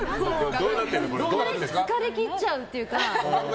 疲れ切っちゃうっていうか。